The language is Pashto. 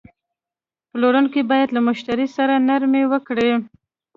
پلورونکی باید له مشتری سره نرمي وکړي.